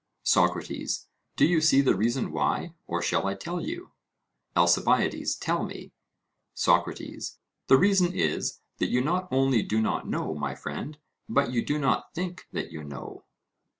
SOCRATES: Do you see the reason why, or shall I tell you? ALCIBIADES: Tell me. SOCRATES: The reason is, that you not only do not know, my friend, but you do not think that you know.